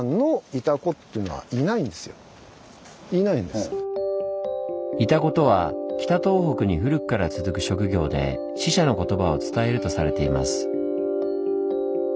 ですからイタコとは北東北に古くから続く職業で死者のことばを伝えるとされています。